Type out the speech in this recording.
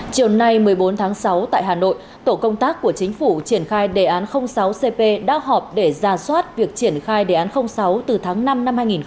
chiều nay một mươi bốn tháng sáu tại hà nội tổ công tác của chính phủ triển khai đề án sáu cp đã họp để ra soát việc triển khai đề án sáu từ tháng năm năm hai nghìn một mươi chín